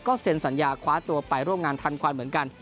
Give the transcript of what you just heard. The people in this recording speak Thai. เซ็นสัญญาคว้าตัวไปร่วมงานทันควันเหมือนกัน